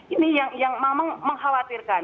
ini yang mengkhawatirkan